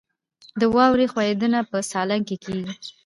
د واورې ښویدنه په سالنګ کې کیږي